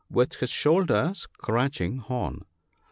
With his shoulder scratching horn.